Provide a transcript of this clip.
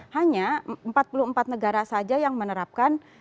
hanya empat puluh empat negara saja yang menerapkan